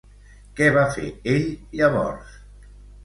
Què va fer ell, llavors?